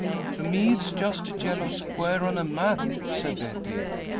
"To me it's just a yellow square on a map," said Betty.